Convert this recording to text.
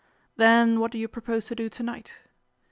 'Then what do you propose to do to night?